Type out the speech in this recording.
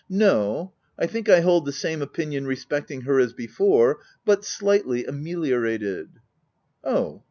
No; I think I hold the same opinion respecting her as before — but slightly ameliorated/' " Oh."